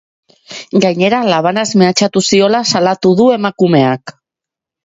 Gainera, labanaz mehatxatu ziola salatu du emakumeak.